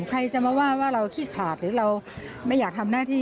ใครจะมาว่าว่าเราขี้ขาดหรือเราไม่อยากทำหน้าที่